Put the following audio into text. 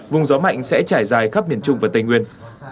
vùng gió mạnh sẽ trải dài khắp miền trung và tây nguyên